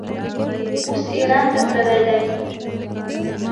اوس ایران ته تللی دی.